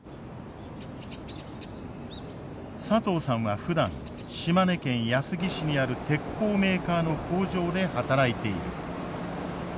佐藤さんはふだん島根県安来市にある鉄鋼メーカーの工場で働いている。